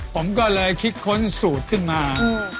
ผมก็เลยคิดค้นสูตรขึ้นมา